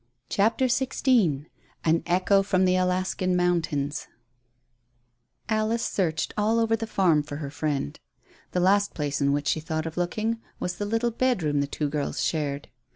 CHAPTER XVI AN ECHO FROM THE ALASKAN MOUNTAINS Alice searched all over the farm for her friend. The last place in which she thought of looking was the little bedroom the two girls shared.